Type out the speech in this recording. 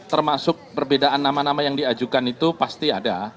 termasuk perbedaan nama nama yang diajukan itu pasti ada